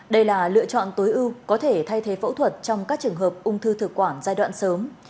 đây là lựa chọn tối ưu có thể thay thế phẫu thuật trong các trường hợp ung thư thực quản giai đoạn sớm